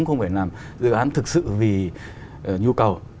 không phải làm dự án thực sự vì nhu cầu